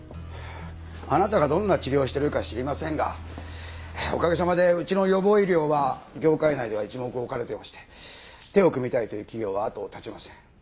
あなたがどんな治療をしてるか知りませんがおかげさまでうちの予防医療は業界内では一目を置かれてまして手を組みたいという企業は後を絶ちません。